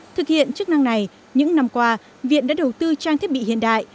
thực hiện chức năng này những năm qua viện đã đầu tư trang thiết bị hiện đại